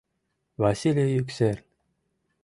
Василий Юксерн